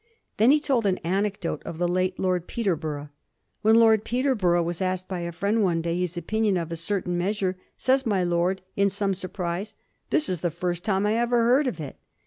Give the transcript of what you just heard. Then he told an anecdote of the late Lord Peterborough. "When Lord Peterborough was asked by a friend one day his opinion of a certain measure, says my lord, in some surprise, 'This is the first time I ever heard of it.'